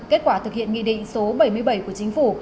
kết quả thực hiện nghị định số bảy mươi bảy của chính phủ